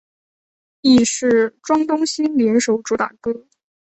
亦是庄冬昕联手主打歌。